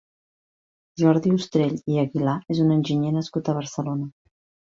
Jordi Ustrell i Aguilà és un enginyer nascut a Barcelona.